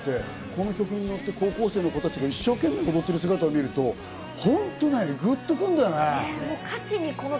この曲に乗って高校生の子たちが一生懸命踊ってる姿を見ると本当にグッとくるの。